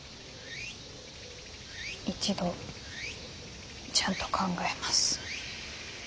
一度ちゃんと考えます。